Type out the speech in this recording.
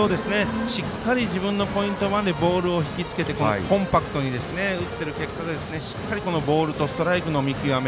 しっかり自分のポイントまでひきつけてボールを引きつけてコンパクトに打っている結果がしっかりボールとストライクの見極め